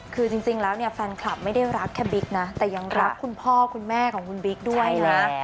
คือจริงแล้วเนี่ยแฟนคลับไม่ได้รักแค่บิ๊กนะแต่ยังรักคุณพ่อคุณแม่ของคุณบิ๊กด้วยนะ